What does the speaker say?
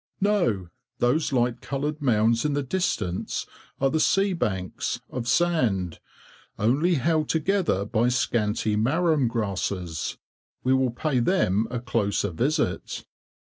"No, those light coloured mounds in the distance are the sea banks, of sand, only held together by scanty marram grasses. We will pay them a closer visit."